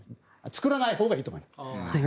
作らないほうがいいと思います。